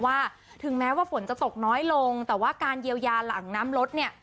ถึงแม้ว่าฝนจะตกน้อยลงแต่ว่าการเยียวยาหลังน้ำลดเนี่ย